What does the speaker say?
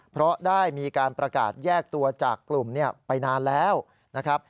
เพราะได้มีการประกาศแยกตัวจากกลุ่มไปนานแล้วนะครับ